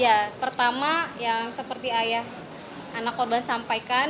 ya pertama yang seperti ayah anak korban sampaikan